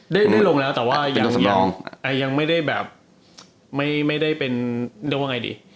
ได้ลงแล้วแต่ว่ายังไม่ได้แบบไม่ได้เป็นเรียกว่าไงดี